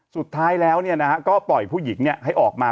สุดท้ายแล้วเนี่ยนะฮะก็ปล่อยผู้หญิงเนี่ยให้ออกมา